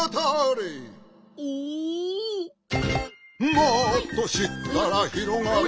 「もっとしったらひろがるよ」